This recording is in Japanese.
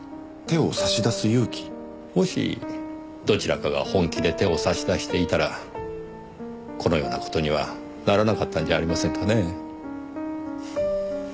もしどちらかが本気で手を差し出していたらこのような事にはならなかったんじゃありませんかね。